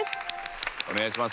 お願いします。